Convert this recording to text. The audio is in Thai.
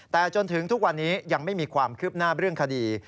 แต่จนถึงทุกวันนี้ยังไม่มีความคืบหน้าเรื่องคดี